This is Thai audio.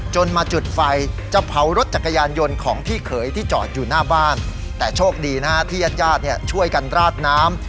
มาจุดไฟจะเผารถจักรยานยนต์ของพี่เขยที่จอดอยู่หน้าบ้านแต่โชคดีนะฮะที่ญาติญาติช่วยกันราดน้ำ